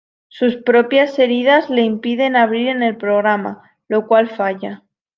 Sus propias heridas le impiden abrir en el programa, lo cual falla.